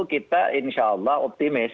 kita insya allah optimis